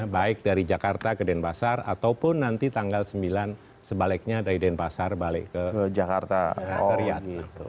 baik dari jakarta ke denpasar ataupun nanti tanggal sembilan sebaliknya dari denpasar balik ke jakarta orian